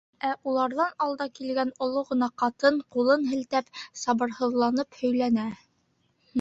Ә уларҙан алда килгән оло ғына ҡатын, ҡулын һелтәп, сабырһыҙланып һөйләнә: